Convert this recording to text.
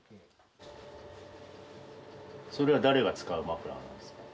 それは誰が使うマフラーなんですか？